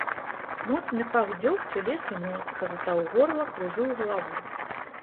Моцны пах дзёгцю лез у нос, казытаў горла, кружыў галаву.